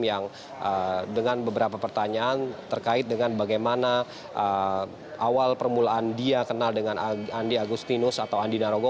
yang dengan beberapa pertanyaan terkait dengan bagaimana awal permulaan dia kenal dengan andi agustinus atau andi narogo